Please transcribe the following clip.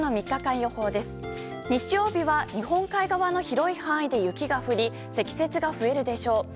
日曜日は日本海側の広い範囲で雪が降り積雪が増えるでしょう。